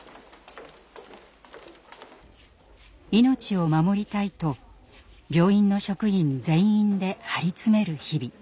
命を守りたいと病院の職員全員で張り詰める日々。